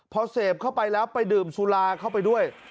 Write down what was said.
พอเสพเข้าไปแล้วไปดื่มสุราเข้าไปด้วย